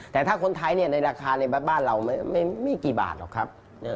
แต่ถ้าคนไทยในราคาในบ้านเราไม่กี่บาทหรอกครับ